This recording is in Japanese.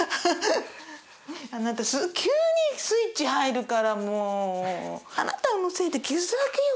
あなた急にスイッチ入るからもう。あなたのせいで傷だらけよ